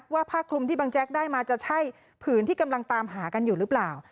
ผ้าคลุมที่บางแจ๊กได้มาจะใช่ผืนที่กำลังตามหากันอยู่หรือเปล่า